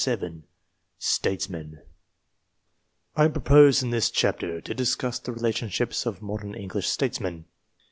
STATESMEN STATESMEN I PEOPOSE in this chapter to discuss the relationships of modern English Statesmen.